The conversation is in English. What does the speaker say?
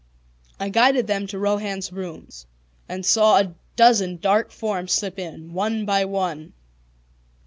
I guided them to Rohan's rooms, and saw a dozen dark forms slip in, one by one.